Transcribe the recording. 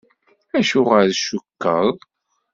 Acuɣer i tcukkeḍ?